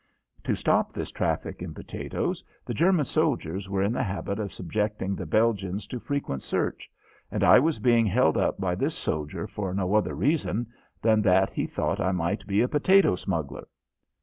To stop this traffic in potatoes the German soldiers were in the habit of subjecting the Belgians to frequent search, and I was being held up by this soldier for no other reason than that he thought I might be a potato smuggler!